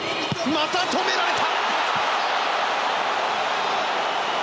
また止められた。